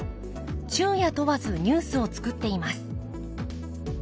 昼夜問わずニュースを作っています。